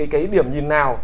cái điểm nhìn nào